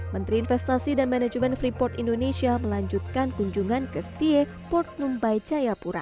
menteri investasi dan manajemen freeport indonesia melanjutkan kunjungan ke stie port numbai jayapura